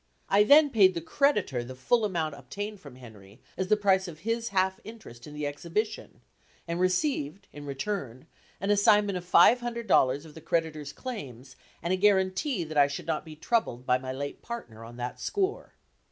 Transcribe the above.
I then paid the creditor the full amount obtained from Henry as the price of his half interest in the exhibition and received in return an assignment of five hundred dollars of the creditor's claims and a guaranty that I should not be troubled by my late partner on that score.